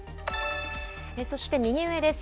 そして右上です。